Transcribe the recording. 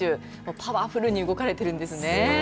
パワフルに動かれているんですね。